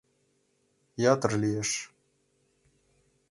Ятыр лиеш...